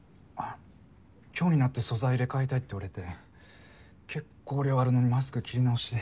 今日になって素材入れ替えたいって言われて結構量あるのにマスク切り直しで。